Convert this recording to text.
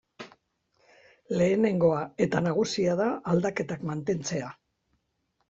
Lehenengoa eta nagusia da aldaketak mantentzea.